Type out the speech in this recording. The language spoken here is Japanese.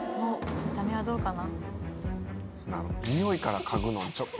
見た目はどうかな？